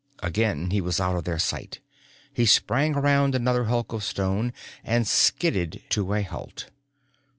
Again he was out of their sight. He sprang around another hulk of stone and skidded to a halt.